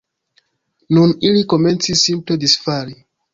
Nun ili komencis simple disfali.